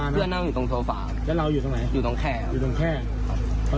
เพื่อนั่งอยู่ตรงโซฟาแล้วเราอยู่ตรงไหนอยู่ตรงแค่อยู่ตรงแขกครับ